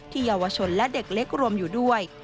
เยาวชนและเด็กเล็กรวมอยู่ด้วย